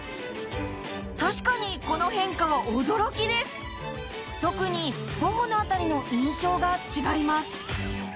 確かにこの変化は驚きです特に頬の辺りの印象が違います